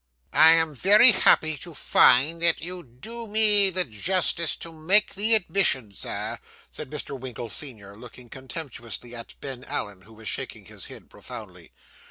'I am very happy to find that you do me the justice to make the admission, sir,' said Mr. Winkle, senior, looking contemptuously at Ben Allen, who was shaking his head profoundly.